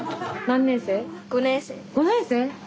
５年生？